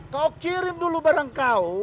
kau kirim dulu barang kau